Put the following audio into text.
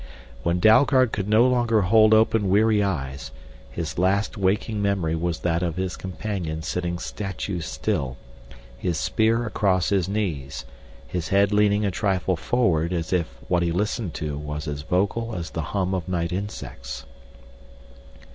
When Dalgard could no longer hold open weary eyes, his last waking memory was that of his companion sitting statue still, his spear across his knees, his head leaning a trifle forward as if what he listened to was as vocal as the hum of night insects.